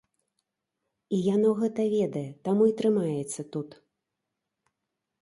І яно гэта ведае, таму і трымаецца тут.